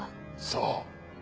そう。